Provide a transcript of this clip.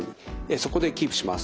そこでキープします。